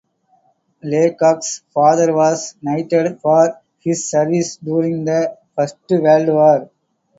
Laycock's father was knighted for his services during the First World War.